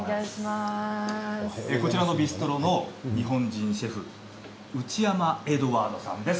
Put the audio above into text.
こちらのビストロの日本シェフ内山エドワードさんです。